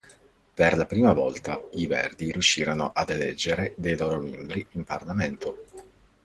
Per la prima volta, i Verdi riuscirono ad eleggere dei loro membri in parlamento.